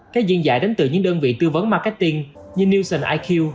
các diễn giải đến từ những đơn vị tư vấn marketing như nielsen iq